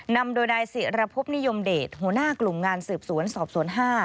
นำโดยนายศิรพบนิยมเดชหัวหน้ากลุ่มงานสืบสวนสอบสวน๕